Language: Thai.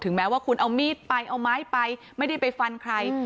แม้ว่าคุณเอามีดไปเอาไม้ไปไม่ได้ไปฟันใคร